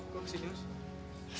kok kesini mas